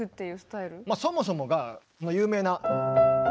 そもそもがあの有名な。